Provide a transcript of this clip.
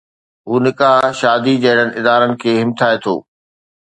هو نڪاح شادي جهڙن ادارن کي همٿائي ٿو.